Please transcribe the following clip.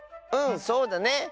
うんそうだね！